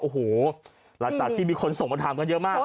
โอ้โหหลังจากที่มีคนส่งมาถามกันเยอะมาก